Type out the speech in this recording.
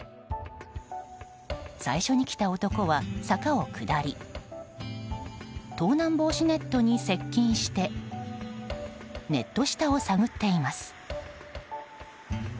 最初に来た男は、坂を下り盗難防止ネットに接近してネット下を探っています。